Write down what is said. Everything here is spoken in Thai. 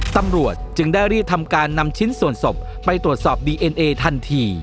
ตำรวจจึงได้รีบทำการนำชิ้นส่วนศพไปตรวจสอบดีเอ็นเอทันที